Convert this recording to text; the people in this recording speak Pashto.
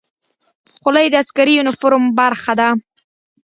خولۍ د عسکري یونیفورم برخه ده.